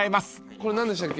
これ何でしたっけ？